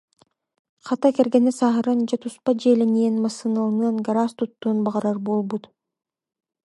Хата кэргэнэ сааһыран, дьэ туспа дьиэлэниэн, массыыналанан, гараас туттуон баҕарар буолбут